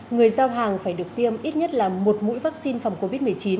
người giao hàng phải được tiêm ít nhất là một mũi vaccine phòng covid một mươi chín